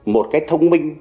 một cái thông minh